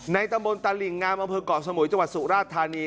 ในตำรวจตานลิ่งงามบริเวฟเกาะสมุยจังหวัดสุราชธานี